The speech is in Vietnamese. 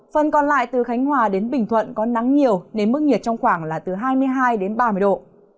phần còn lại từ khánh hòa đến bình thuận có nắng nhiều nên mức nhiệt trong khoảng là từ hai mươi hai đến ba mươi độ